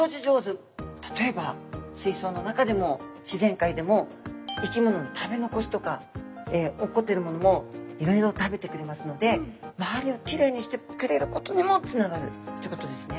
例えば水槽の中でも自然界でも生き物の食べ残しとか落っこってるものもいろいろ食べてくれますので周りをキレイにしてくれることにもつながるということですね！